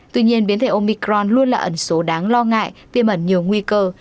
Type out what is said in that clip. tuy nhiên biến thể omicron luôn là ẩn số đáng lo ngại tiêm ẩn nhiều nguy cơ